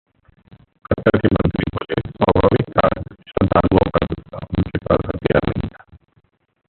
खट्टर के मंत्री बोले- 'स्वाभाविक था श्रद्धालुओं का गुस्सा, उनके पास हथियार नहीं था'